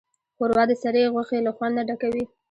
ښوروا د سرې غوښې له خوند نه ډکه وي.